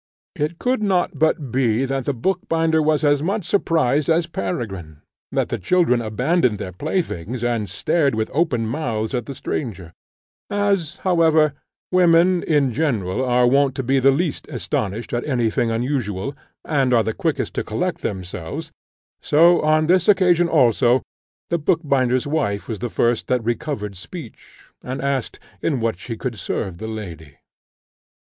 It could not but be that the bookbinder was as much surprised as Peregrine, that the children abandoned their playthings, and stared with open mouths at the stranger: as, however, women in general are wont to be the least astonished at any thing unusual, and are the quickest to collect themselves, so, on this occasion also, the bookbinder's wife was the first that recovered speech, and asked, "In what she could serve the lady?"